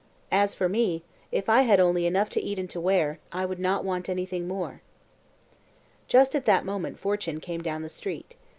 "As for me, if I had only enough to eat and to wear, I would not want anything more." Just at that moment Fortune came down the street.